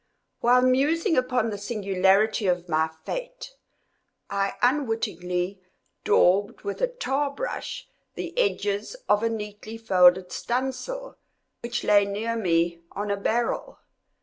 While musing upon the singularity of my fate, I unwittingly daubed with a tar brush the edges of a neatly folded studding sail which lay near me on a barrel.